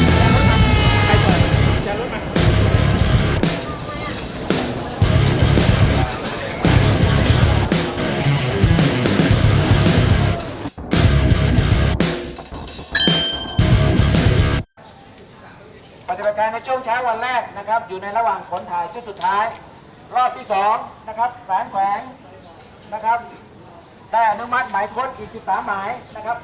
ปฏิบัติการในช่วงเช้าวันแรกนะครับอยู่ในระหว่างคนถ่ายชุดสุดท้ายรอบที่สองนะครับสารแขวงนะครับได้อนุมัติหมายค้นอีก๑๓หมายนะครับ